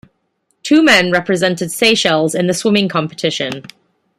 Two men represented Seychelles in the swimming competition.